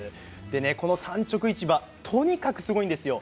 この産直市場とにかくすごいんです。